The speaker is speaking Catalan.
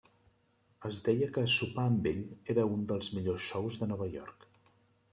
Es deia que sopar amb ell era un dels millors shows de Nova York.